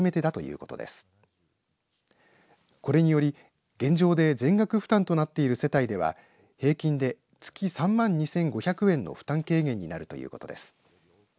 これにより、現状で全額負担となっている世帯では平均で月３万２５００円の負担軽減になるということです。